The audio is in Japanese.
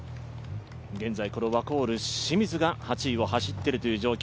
現在、このワコール・清水が８位を走っているという状況。